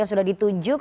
yang sudah ditunjuk